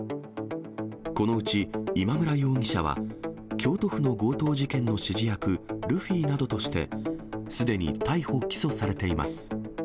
このうち、今村容疑者は、京都府の強盗事件の指示役、ルフィなどとして、すでに逮捕・起訴されています。